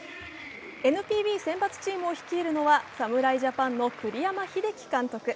ＮＰＢ選抜チームを率いるのは侍ジャパンの栗山英樹監督。